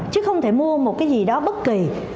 chứ không thể mua một cái gì đó bất kỳ